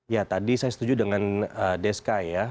ya tadi saya setuju dengan deska ya